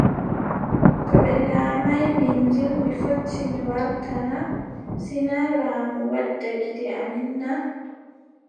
To ɓe laamaay Minjil mi fotti mi warta na ? Si naa laamu waɗa gite amin naa ?